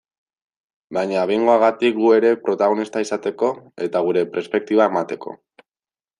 Baina behingoagatik gu ere protagonista izateko, eta gure perspektiba emateko.